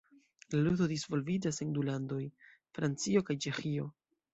La ludo disvolviĝas en du landoj: Francio kaj Ĉeĥio.